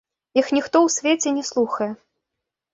Іх ніхто ў свеце не слухае.